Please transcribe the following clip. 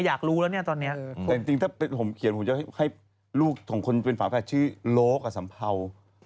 อยากรู้แล้วเนี่ยตอนนี้แต่จริงถ้าผมเขียนผมจะให้ลูกสองคนเป็นฝาแฝดชื่อโลกกับสัมเภา